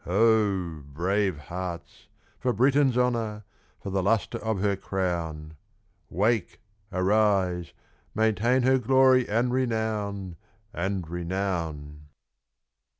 Ho! brave hearts, for Britain's honour, For the lustre of her crown, Wake! arise! maintain her glory And renown, and renown!